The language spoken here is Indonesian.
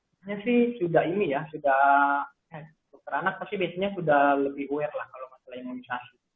sebenarnya sih sudah ini ya sudah eh dokter anak pasti biasanya sudah lebih aware lah kalau masalah imunisasi